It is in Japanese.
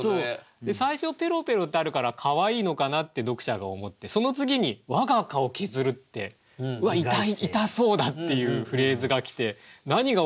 最初「ぺろぺろ」ってあるからかわいいのかなって読者が思ってその次に「我が顔削る」って痛そうだっていうフレーズが来て何が起こってるんだろう